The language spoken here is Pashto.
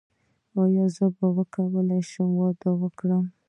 ایا زه به وکولی شم واده وکړم؟